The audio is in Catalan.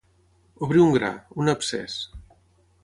Obrir un gra, un abscés.